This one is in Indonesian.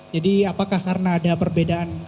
jadi apakah karena ada perbedaan